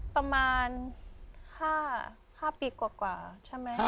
ประมาณ๕ปีกว่าใช่ไหม